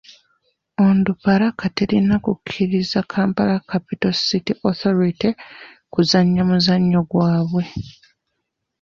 Onduparaka terina kukkiriza Kampala Capital City Authority kuzannya muzannyo gwabwe.